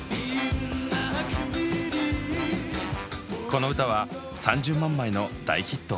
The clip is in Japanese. この歌は３０万枚の大ヒット。